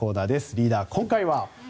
リーダー、今回は？